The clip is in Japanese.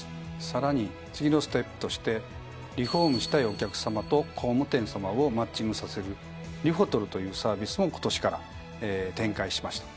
さらに次のステップとしてリフォームしたいお客さまと工務店さまをマッチングさせる「リフォトル」というサービスもことしから展開しました。